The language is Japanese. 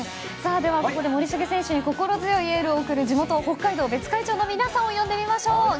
では、ここで森重選手に心強いエールを送る地元・北海道別海町の皆さんを呼んでみましょう。